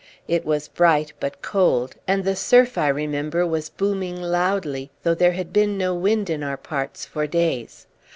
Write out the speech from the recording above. It was bright, but cold, and the surf, I remember, was booming loudly, though there had been no wind in our parts for days.